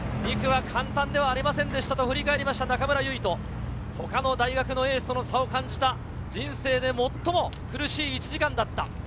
２区は簡単ではありませんでしたと振り返りました中村唯翔、ほかの大学のエースとの差を感じた人生で最も苦しい１時間だった。